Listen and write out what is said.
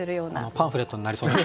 パンフレットになりそうな。